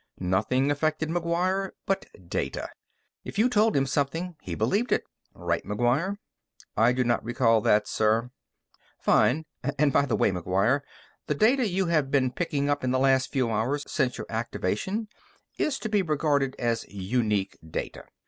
Nothing affected McGuire but data. If you told him something, he believed it. Right, McGuire?" "I do not recall that, sir." "Fine. And, by the way, McGuire the data you have been picking up in the last few hours, since your activation, is to be regarded as unique data.